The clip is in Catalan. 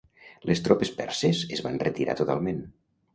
Les tropes perses es van retirar totalment.